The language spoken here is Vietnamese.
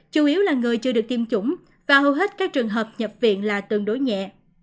chủ yếu là người chưa được tiêm chủng và hầu hết các trường hợp nhập viện là tương đối nhẹ